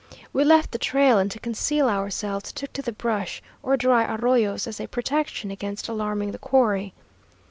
We left the trail, and to conceal ourselves took to the brush or dry arroyos as a protection against alarming the quarry.